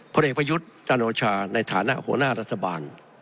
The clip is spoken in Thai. เด็กประยุทธ์จันโอชาในฐานะหัวหน้ารัฐบาล